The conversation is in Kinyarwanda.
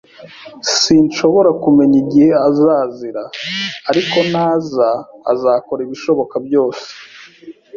[S] Sinshobora kumenya igihe azazira, ariko naza, azakora ibishoboka byose.